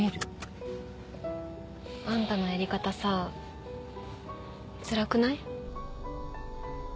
あんたのやり方さぁつらくない？